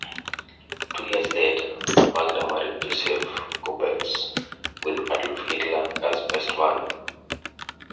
Two years later Magda married Joseph Goebbels with Adolf Hitler as best man.